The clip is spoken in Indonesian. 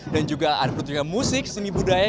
dan juga ada pertunjukan musik seni budaya